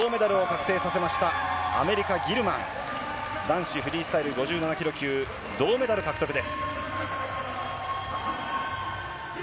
男子フリースタイル５７キロ級、銅メダル獲得です。